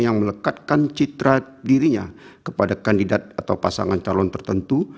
yang melekatkan citra dirinya kepada kandidat atau pasangan calon tertentu